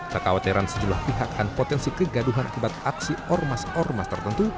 kekhawatiran sejumlah pihak dan potensi kegaduhan akibat aksi ormas ormas tertentu